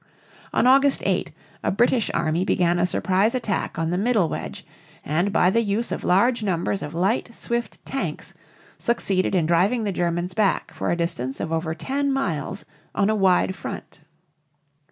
On August 8 a British army began a surprise attack on the middle wedge, and by the use of large numbers of light, swift tanks succeeded in driving the Germans back for a distance of over ten miles on a wide front.